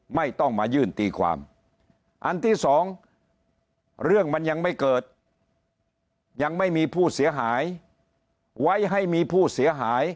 ไม่ต้องมายื่นตีความอันที่สองเรื่องมันยังไม่เกิดยังไม่มีผู้เสียหายไว้ให้มีผู้เสียหาย